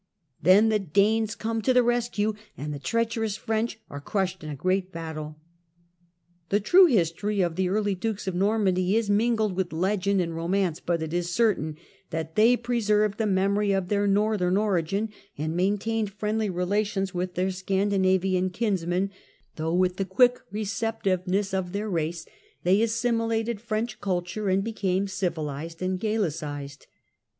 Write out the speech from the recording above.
Then the Danes come to the rescue, and the treacherous French are crushed in a great battle. The true history of the early dukes of Normandy is mingled with legend and romance, but it is certain that they preserved the memory of their northern origin, and maintained friendly relations with their Scandinavian kinsmen, though, with the quick receptiveness of their race, they assimilated French culture and became civilized and Gallicized.